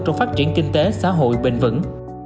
trong phát triển kinh tế xã hội bền vững